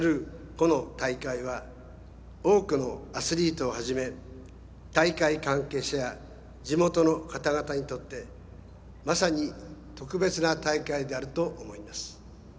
この大会は多くのアスリートをはじめ大会関係者や地元の方々にとってまさに特別な大会であると思います。